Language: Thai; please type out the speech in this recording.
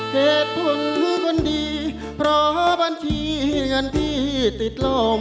เพศพุ่งคุณดีเพราะบัญชีเงินที่ติดลม